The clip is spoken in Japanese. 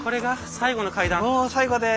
最後です。